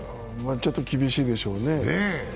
ちょっと厳しいでしょうね。